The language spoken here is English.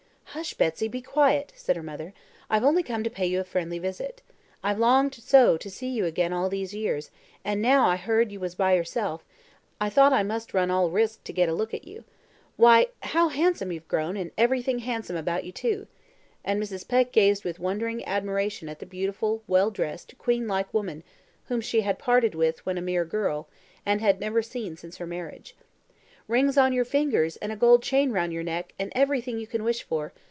"Hush! Betsy, be quiet," said her mother. "I've only come to pay you a friendly visit. I've longed so to see you again all these years, and now I heard you was by yourself, I thought I must run all risks to get a look at you. Why, how handsome you've grown, and everything handsome about you, too;" and Mrs. Peck gazed with wondering admiration at the beautiful, well dressed, queen like woman whom she had parted with when a mere girl, and had never seen since her marriage. "Rings on your fingers, and a gold chain round your neck, and everything you can wish for.